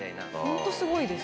ホントすごいです。